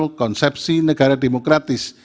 pengaturan ihal konsepsi negara demokratis